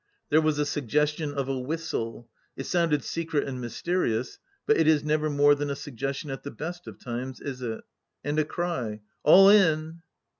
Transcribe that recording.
There was a suggestion of a whistle. ... It sounded secret and mysterious, but it is never more than a suggestion at the best of times, is it ?... and a cry. ..." All in